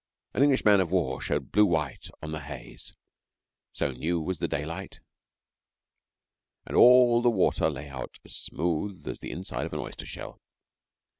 An English man of war showed blue white on the haze, so new was the daylight, and all the water lay out as smooth as the inside of an oyster shell.